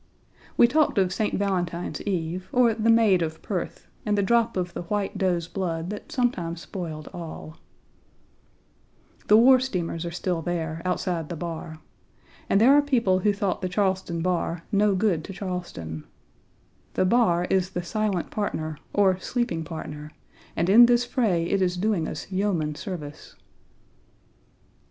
We talked of St. Valentine's eve, or the maid of Perth, and the drop of the white doe's blood that sometimes spoiled all. Page 38a FORT SUMTER UNDER BOMBARDMENT.From an Old Print. Page 39 The war steamers are still there, outside the bar. And there are people who thought the Charleston bar "no good" to Charleston. The bar is the silent partner, or sleeping partner, and in this fray it is doing us yeoman service.